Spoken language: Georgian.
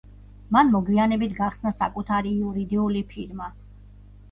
მან მოგვიანებით გახსნა საკუთარი იურიდიული ფირმა.